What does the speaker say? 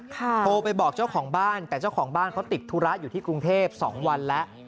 โทรไปบอกเจ้าของบ้านแต่เจ้าของบ้านเขาติดธุระอยู่ที่กรุงเทพ๒วันแล้ว